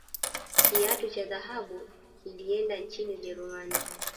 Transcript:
kiatu cha dhahabu kilienda nchini ujerumani